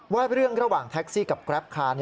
ว่าเรื่องระหว่างแท็กซี่กับแกรปคาร์